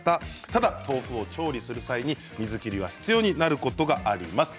ただ豆腐を調理する際は水切りが必要になることがあります。